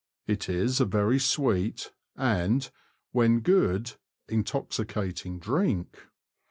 It is a very sweet, and, when good, intoxicating drink.